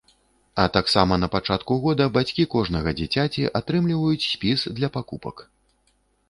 А таксама на пачатку года бацькі кожнага дзіцяці атрымліваюць спіс для пакупак.